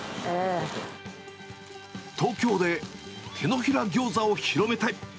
東京で、てのひらギョーザを広めたい。